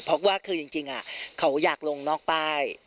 เพราะว่าคือจริงเขาอยากลงนอกป้าย